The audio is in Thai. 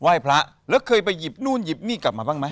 พระแล้วเคยไปหยิบนู่นหยิบนี่กลับมาบ้างไหม